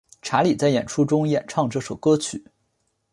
查理在演出中演唱这首歌曲。